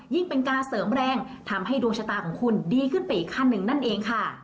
เป็นการเสริมแรงทำให้ดวงชะตาของคุณดีขึ้นไปอีกขั้นหนึ่งนั่นเองค่ะ